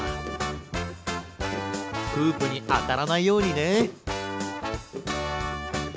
フープにあたらないようにね。